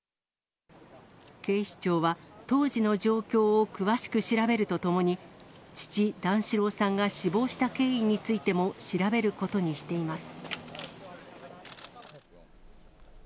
警視庁は、当時の状況を詳しく調べるとともに、父、段四郎さんが死亡した経緯についても、調べることにしています。